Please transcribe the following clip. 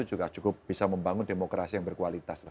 juga cukup bisa membangun demokrasi yang berkualitas